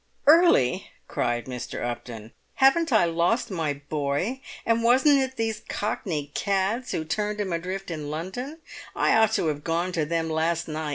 "Early!" cried Mr. Upton. "Haven't I lost my boy, and wasn't it these Cockney cads who turned him adrift in London? I ought to have gone to them last night.